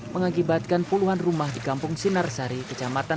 mengakibatkan puluhan rumah di kampung sinar sari kecamatan